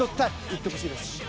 いってほしいです！